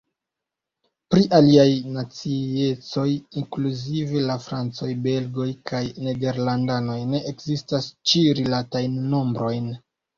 Pri aliaj naciecoj inkluzive la francoj, belgoj kaj nederlandanoj ne ekzistas ĉi-rilatajn nombrojn.